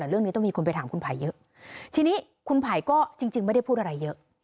เรื่องนี้ต้องมีคนไปถามคุณไผ่เยอะทีนี้คุณไผ่ก็จริงไม่ได้พูดอะไรเยอะ